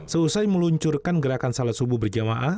seusai meluncurkan gerakan salat subuh berjamaah